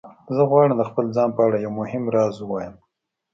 زه غواړم د خپل ځان په اړه یو مهم راز ووایم